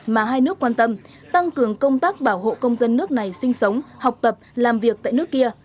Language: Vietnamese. mà hai nước quan tâm tăng cường công tác bảo hộ công dân nước này sinh sống học tập làm việc tại nước kia